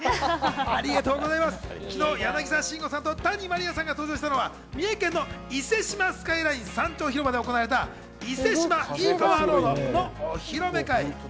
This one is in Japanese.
ありがとうございます、昨日、柳沢慎吾さんと谷まりあさんが登場したのは、三重県の伊勢志摩スカイライン山頂広場で行われた伊勢志摩ｅ−ＰＯＷＥＲＲＯＡＤのお披露目会。